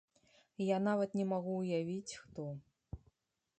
Я нават не магу ўявіць, хто.